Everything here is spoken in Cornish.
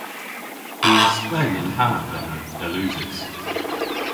Ni a spen an hav ena dell usys.